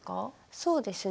そうですね。